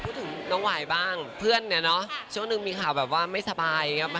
พูดถึงน้องหวายบ้างเพื่อนเนี่ยเนอะช่วงหนึ่งมีข่าวแบบว่าไม่สบายอย่างนี้